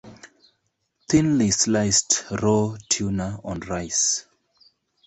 Thinly-sliced raw tuna on rice.